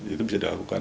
itu bisa diakukan